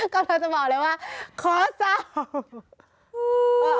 ก็เราจะบอกเลยว่าขอเศร้า